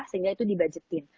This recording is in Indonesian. sehingga itu dibudgetin